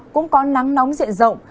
cũng có nắng nóng diện rộng